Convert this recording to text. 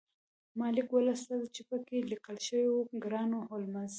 ما لیک ولوست چې پکې لیکل شوي وو ګران هولمز